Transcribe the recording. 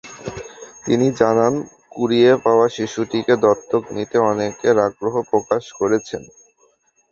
তিনি জানান, কুড়িয়ে পাওয়া শিশুটিকে দত্তক নিতে অনেকেই আগ্রহ প্রকাশ করেছেন।